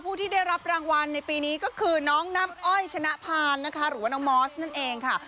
ผู้ที่ได้รับรางวัลในปีนี้ก็คือน้องน้ำอ้อยชนะพานนะคะหรือว่าน้องมอสนั่นเองค่ะ